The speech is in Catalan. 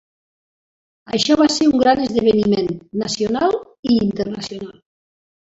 Això va ser un gran esdeveniment nacional i internacional.